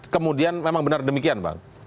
kemudian memang benar demikian bang